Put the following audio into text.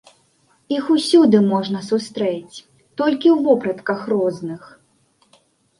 Іх усюды можна сустрэць, толькі ў вопратках розных.